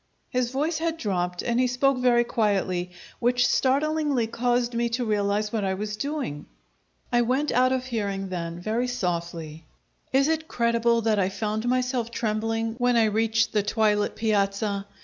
His voice had dropped, and he spoke very quietly, which startlingly caused me to realize what I was doing. I went out of hearing then, very softly. Is it creible that I found myself trembling when I reached the twilit piazza?